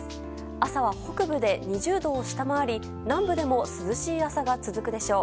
朝は北部で２０度を下回り南部でも涼しい朝が続くでしょう。